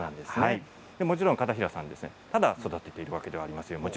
もちろん片平さんただ育てているわけではありません。